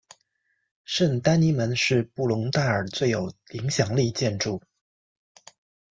圣丹尼门是布隆代尔最有影响力建筑。